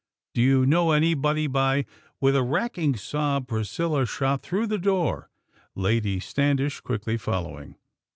Do you know anybody by ?" With a racking sob, Priscilla shot through that door, Lady Standish quickly following.